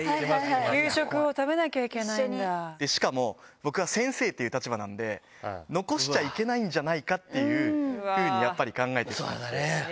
給食を食べなきゃいけないんしかも、僕は先生という立場なんで、残しちゃいけないんじゃないかっていうふうにやっぱり考えてしまって。